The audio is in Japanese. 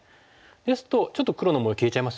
ですとちょっと黒の模様消えちゃいますよね。